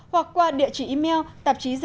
hoặc qua địa chỉ email tạp chí gn gmail com